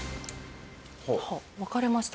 分かれました。